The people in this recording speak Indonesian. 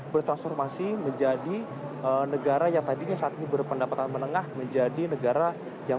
bertransformasi menjadi negara yang tadinya saat ini berpendapatan menengah menjadi negara yang